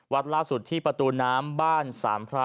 ล่าสุดที่ประตูน้ำบ้านสามพระ